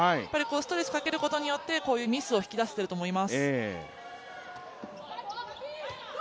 ストレスかけることによってこういうミスを引き出していると思います。